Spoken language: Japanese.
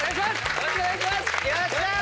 よろしくお願いします！